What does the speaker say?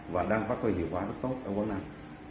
và đang phát huy hiệu quả rất tốt ở quảng nam